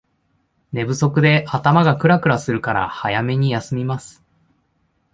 寝不足で頭がクラクラするから早めに休みます